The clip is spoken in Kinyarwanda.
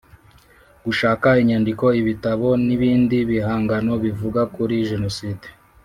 Gushaka inyandiko ibitabo nibindi bihangano bivuga kuri Jenoside